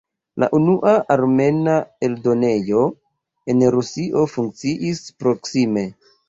La unua armena eldonejo en Rusio funkciis proksime.